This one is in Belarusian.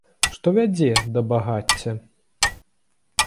Што вядзе да багацця?